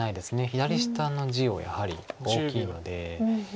左下の地やはり大きいので。